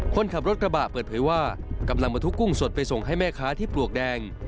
คนขับรถกระบะเปิดเผยว่ากำลังมาทุกกุ้งสดไปส่งให้แม่ค้าที่ปลวกแดง